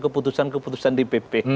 keputusan keputusan di pp